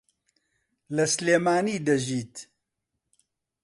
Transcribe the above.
لە سلێمانی دەژیت.